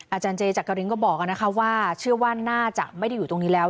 อาจารย์เจจักรินก็บอกนะคะว่าเชื่อว่าน่าจะไม่ได้อยู่ตรงนี้แล้ว